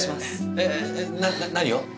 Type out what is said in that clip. えっ何を？